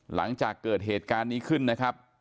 หลังจากเกิดเหตุการณ์นี้ขึ้นนะครับ